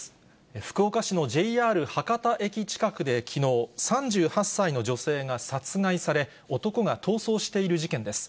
福岡市のＪＲ博多駅近くできのう、３８歳の女性が殺害され、男が逃走している事件です。